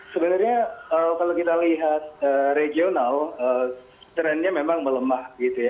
sebenarnya kalau kita lihat regional trendnya memang melemah